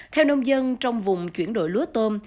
theo nông dân trong vùng chuyển đổi lúa tôm